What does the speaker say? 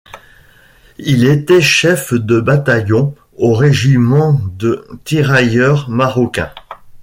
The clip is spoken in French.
Il était chef de bataillon au Régiment de Tirailleurs Marocains.